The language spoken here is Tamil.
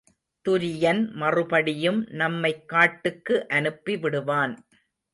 துரியன் மறுபடியும் நம்மைக் காட்டுக்கு அனுப்பி விடுவான்.